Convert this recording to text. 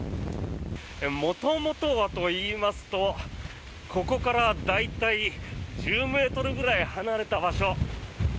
元々はといいますとここから大体１０ｍぐらい離れた場所